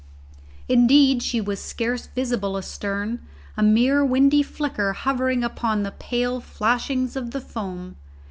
Indeed she was scarce visible astern, a mere windy flicker hovering upon the pale flashings of the foam.